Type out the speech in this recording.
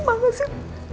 sekarang bawain sekarang aja